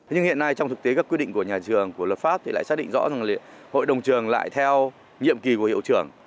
nhưng hiện nay trong thực tế các quy định của nhà trường của luật pháp thì lại xác định rõ rằng hội đồng trường lại theo nhiệm kỳ của hiệu trưởng